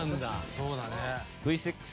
そうだね。